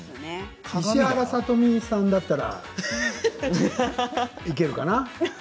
石原さとみさんだったらいけるかな。